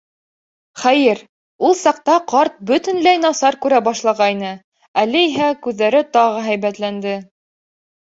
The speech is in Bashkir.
Хәйер, ул саҡта ҡарт бөтөнләй насар күрә башлағайны, әле иһә күҙҙәре тағы һәйбәтләнде.